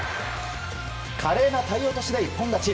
華麗な体落としで一本勝ち。